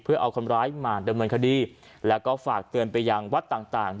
เพื่อเอาคนร้ายมาดำเนินคดีแล้วก็ฝากเตือนไปยังวัดต่าง